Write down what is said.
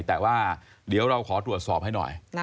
แต่ว่าเดี๋ยวเราขอตรวจสอบให้หน่อย